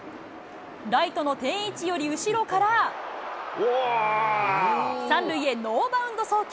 ライトの定位置より後ろから、３塁へノーバウンド送球。